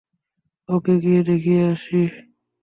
ওকে গিয়ে দেখিয়ে আসি।